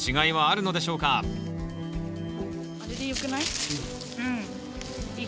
あれでよくない？